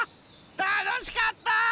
たのしかった！